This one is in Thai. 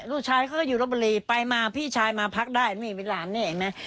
ลูกชายเขาคืออยู่เริ่มปลีไปมาพี่ชายมาพักได้เป็นหลานนี้